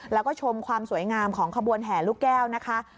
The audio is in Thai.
แล้วก็ชมความสวยงามของขบวนแห่ลูกแก้วนะคะ